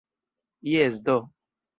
Jes do!